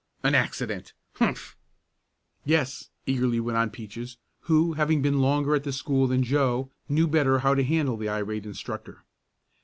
"An accident! Humph!" "Yes," eagerly went on Peaches, who, having been longer at the school than Joe, knew better how to handle the irate instructor.